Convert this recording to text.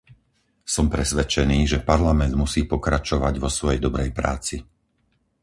So presvedčený, že Parlament musí pokračovať vo svojej dobrej práci.